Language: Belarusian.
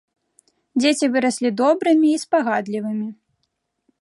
Дзеці выраслі добрымі і спагадлівымі.